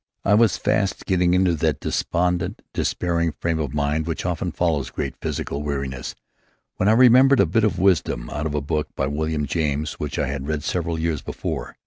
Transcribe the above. I was fast getting into that despondent, despairing frame of mind which often follows great physical weariness, when I remembered a bit of wisdom out of a book by William James which I had read several years before.